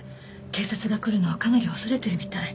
警察が来るのをかなり恐れてるみたい。